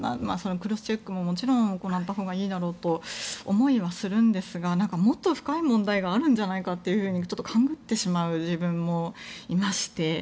クロスチェックも行ったほうがいいと思いますがもっと深い問題があるんじゃないかと勘ぐってしまう自分もいまして。